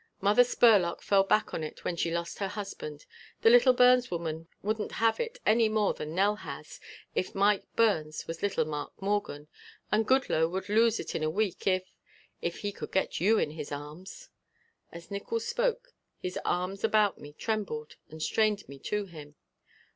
Mother Spurlock fell back on it when she lost her husband. The little Burns woman wouldn't have it any more than Nell has if Mike Burns was like Mark Morgan. And Goodloe would lose it in a week if if he could get you in his arms." As Nickols spoke, his arms about me trembled and strained me to him.